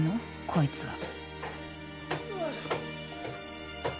こいつは